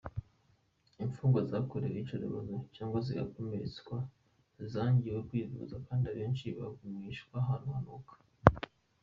Imfungwa zakorewe iyicarubozo cyangwa zigakomeretswa zangiwe kwivuza, kandi abenshi bagumishwa ahantu hanuka.